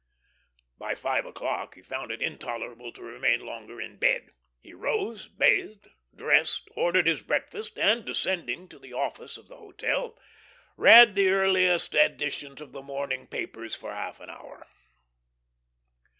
By five o'clock he found it intolerable to remain longer in bed; he rose, bathed, dressed, ordered his breakfast, and, descending to the office of the hotel, read the earliest editions of the morning papers for half an hour.